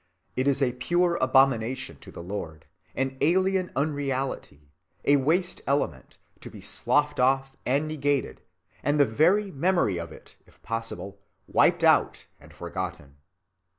It is a pure abomination to the Lord, an alien unreality, a waste element, to be sloughed off and negated, and the very memory of it, if possible, wiped out and forgotten.